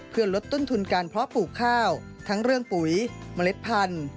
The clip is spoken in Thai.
เพื่อลดต้นทุนการเพาะปลูกข้าวทั้งเรื่องปุ๋ยเมล็ดพันธุ์